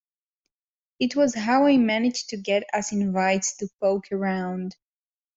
It was how I managed to get us invites to poke around.